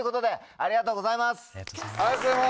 ありがとうございます。